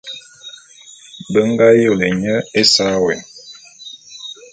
Be ngā yôlé nye ésa wé.